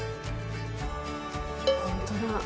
本当だ。